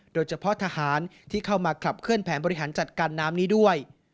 โดยเฉพาะทหารที่เข้ามาขับเคลื่อนแผนบริหารจัดการน้ำนี้ด้วย